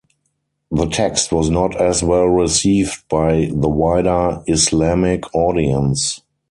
This text was not as well received by the wider Islamic audience.